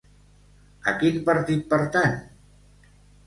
A quin partit pertany?